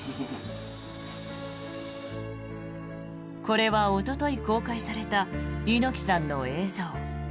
これは、おととい公開された猪木さんの映像。